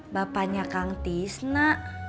bapaknya kang tisna